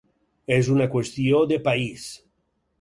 És una qüestió de país.